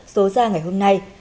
số ra ngày hôm nay